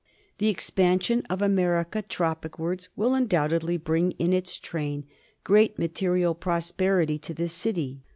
The expansion of America tropicwards will undoubt edly bring in its train great material prosperity to this city.